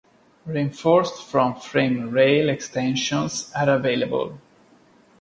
Reinforced front frame rail extensions are available.